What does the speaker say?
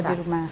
oh di rumah